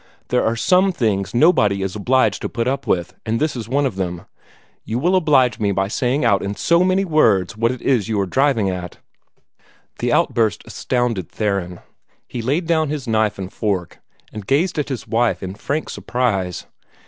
There are some things nobody is obliged to put up with, and this is one of them. You will oblige me by saying out in so many words what it is you are driving at." The outburst astounded Theron. He laid down his knife and fork, and gazed at his wife in frank surprise.